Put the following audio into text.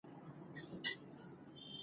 مرکزي کرکتر دى چې فرعي کرکترونه